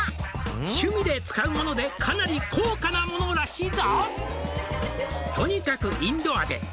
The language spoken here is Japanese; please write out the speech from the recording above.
「趣味で使うものでかなり高価なものらしいぞ」